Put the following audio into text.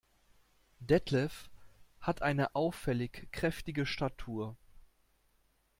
Detlef hat eine auffällig kräftige Statur.